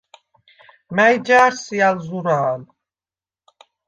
მა̈ჲ ჯა̄რ სი ალ ზურა̄ლ?